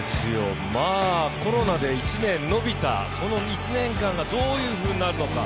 コロナで１年延びたその１年間がどういうふうになるのか。